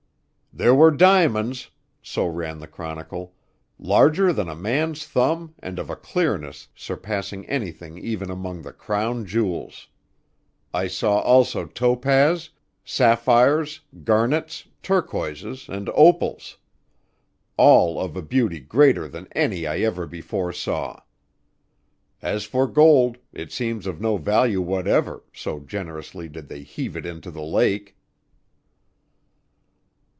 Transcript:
"There were diamonds," so ran the chronicle, "larger than a man's thumb and of a clearness surpassing anything even among the crown jewels. I saw also topaz, sapphires, garnets, turquoises, and opals all of a beauty greater than any I ever before saw. As for gold, it seems of no value whatever, so generously did they heave it into the lake."